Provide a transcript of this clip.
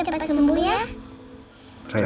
doain om baik